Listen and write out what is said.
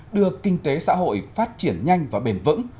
đưa kinh tế xã hội phát triển nhanh và bền vững